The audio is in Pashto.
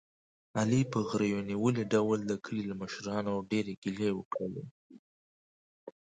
علي په غرېو نیولي ډول د کلي له مشرانو ډېرې ګیلې وکړلې.